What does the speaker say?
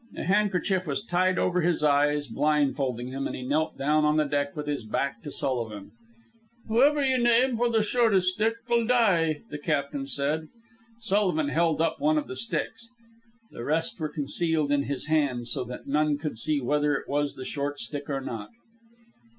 A handkerchief was tied over his eyes, blindfolding him, and he knelt down on the deck with his back to Sullivan. "Whoever you name for the shortest stick'll die," the captain said. Sullivan held up one of the sticks. The rest were concealed in his hand so that no one could see whether it was the short stick or not.